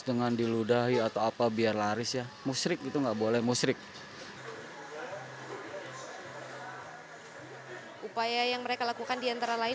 dengan diludahi atau apa biar laris ya musrik itu enggak boleh musrik upaya yang mereka lakukan diantara